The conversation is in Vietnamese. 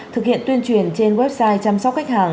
thực hiện tuyên truyền trên website chăm sóc khách hàng